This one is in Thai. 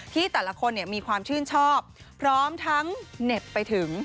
ที่แต่ละคนมีความชื่นชอบพร้อมทั้งเหน็บไปถึง